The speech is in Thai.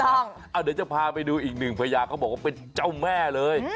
เดี๋ยวจะพาไปดูอีกหนึ่งพญาเขาบอกว่าเป็นเจ้าแม่เลย